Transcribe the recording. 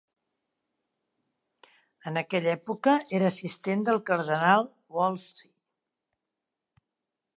En aquella època, era assistent del cardenal Wolsey.